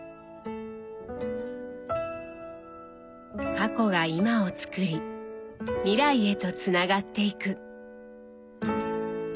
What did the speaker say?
過去が今をつくり未来へとつながっていく。